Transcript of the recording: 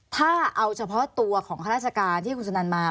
ถ้าเอาเฉพาะตัวของข้าราชการที่คุณสุนันมา